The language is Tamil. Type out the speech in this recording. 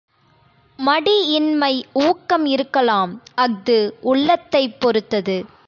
மடி இன்மை ஊக்கம் இருக்கலாம் அஃது உள்ளத்தைப் பொறுத்தது.